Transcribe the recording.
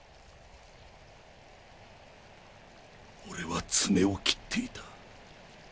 俺は爪を切っていた。